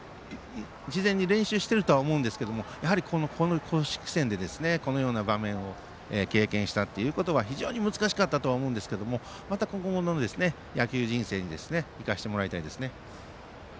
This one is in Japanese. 事前に練習していると思いますがこの公式戦でこのような場面を経験したということは非常に難しかったと思いますがまた、今後の野球人生に生かしてもらいたいですね。